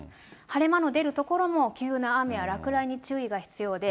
晴れ間の出る所も、急な雨や落雷に注意が必要で、